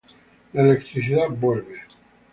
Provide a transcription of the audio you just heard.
La electricidad vuelve.